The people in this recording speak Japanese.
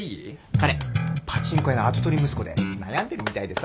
彼パチンコ屋の跡取り息子で悩んでるみたいでさ